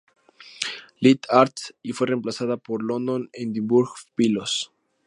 Lit. Arts", y fue reemplazada por "London Edinburgh Philos.